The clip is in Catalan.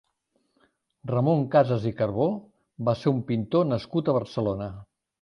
Ramon Casas i Carbó va ser un pintor nascut a Barcelona.